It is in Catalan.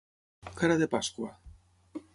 Cara de Pasqua.